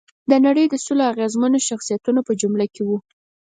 د نړۍ د سلو اغېزمنو شخصیتونو په جمله کې وه.